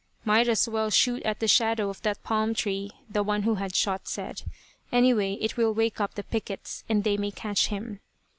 "Might as well shoot at the shadow of that palm tree," the one who had shot said. "Anyway it will wake up the pickets, and they may catch him.